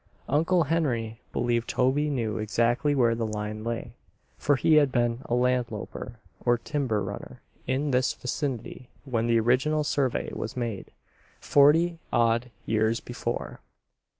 Uncle Henry believed Toby knew exactly where the line lay, for he had been a landloper, or timber runner in this vicinity when the original survey was made, forty odd years before.